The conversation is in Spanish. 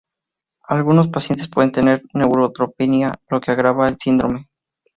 Algunos pacientes pueden tener neutropenia, lo que agrava el síndrome.